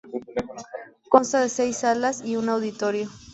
Consta de seis salas y un auditorio.